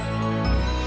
mas al juga mengatakan